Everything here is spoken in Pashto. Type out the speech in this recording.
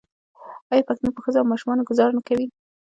آیا پښتون په ښځو او ماشومانو ګذار نه کوي؟